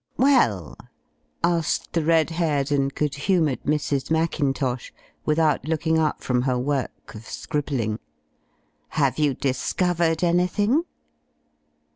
"Well," asked the red haired and good humoured Mrs. Mackintosh, without looking up from her work of scribbling, "have you discovered an3rthing?"